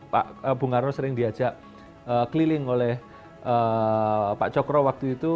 pak bung karno sering diajak keliling oleh pak cokro waktu itu